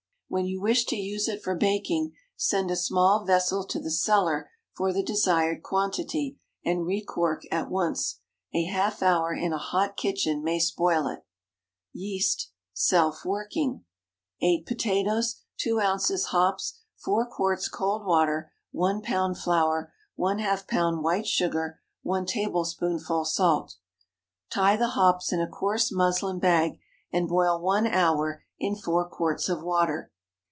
When you wish to use it for baking, send a small vessel to the cellar for the desired quantity, and re cork at once. A half hour in a hot kitchen may spoil it. YEAST (Self working). 8 potatoes. 2 ounces hops. 4 quarts cold water. 1 lb. flour. ½ lb. white sugar. 1 tablespoonful salt. Tie the hops in a coarse muslin bag, and boil one hour in four quarts of water.